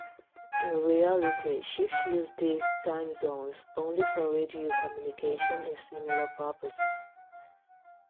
In reality, ships use these time zones only for radio communication and similar purposes.